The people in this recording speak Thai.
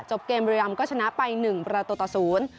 จบเกมบุรีรัมก็ชนะไป๑ประตูต่อ๐